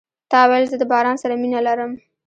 تا ویل زه د باران سره مینه لرم .